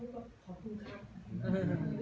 ในภาคหลังนี้